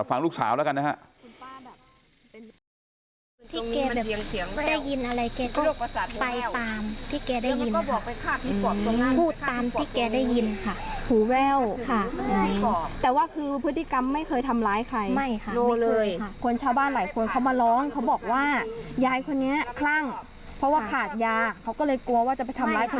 ฟังลูกสาวแล้วกันนะฮะ